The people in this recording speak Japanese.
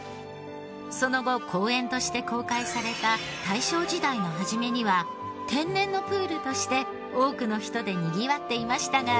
その後公園として公開された大正時代の初めには天然のプールとして多くの人でにぎわっていましたが。